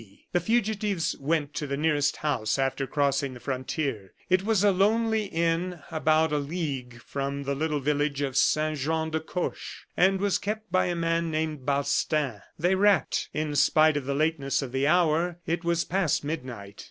The fugitives went to the nearest house after crossing the frontier. It was a lonely inn, about a league from the little village of Saint Jean de Coche, and was kept by a man named Balstain. They rapped, in spite of the lateness of the hour it was past midnight.